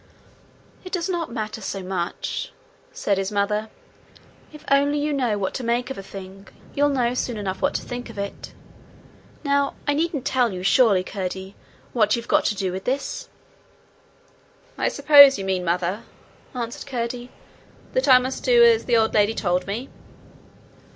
'It does not matter so much,' said his mother. 'If only you know what to make of a thing, you'll know soon enough what to think of it. Now I needn't tell you, surely, Curdie, what you've got to do with this?' 'I suppose you mean, Mother,' answered Curdie, 'that I must do as the old lady told me?'